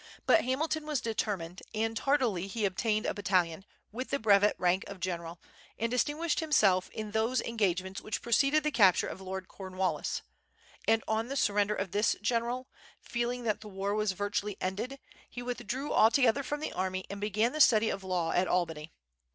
But Hamilton was determined, and tardily he obtained a battalion, with the brevet rank of general, and distinguished himself in those engagements which preceded the capture of Lord Cornwallis; and on the surrender of this general, feeling that the war was virtually ended, he withdrew altogether from the army, and began the study of law at Albany.